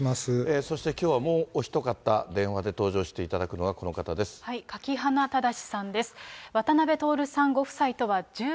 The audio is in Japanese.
そして、きょうはもうおひと方、電話で登場していただくのは、この方です。